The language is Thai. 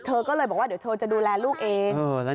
เธอก็เลยบอกว่าเดี๋ยวเธอจะดูแลลูกเอง